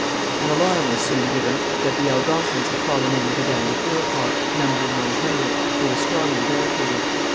An alarm was soon given that the Algonquins had fallen in with a band of Iroquois, numbering one hundred, who were strongly barricaded.